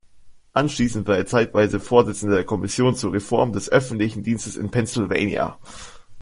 Anschließend war er zeitweise Vorsitzender der Kommission zur Reform des öffentlichen Dienstes in Pennsylvania.